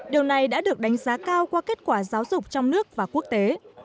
điều này đã được đánh giá cao qua kết quả giáo dục trong nước và quốc tế